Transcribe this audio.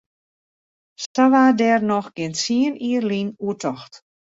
Sa waard dêr noch gjin tsien jier lyn oer tocht.